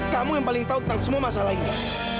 kamu yang paling tahu tentang semua masalah ini